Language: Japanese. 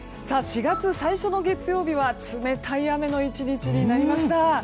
４月最初の月曜日は冷たい雨の１日になりました。